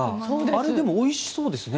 あれ、でもおいしそうですね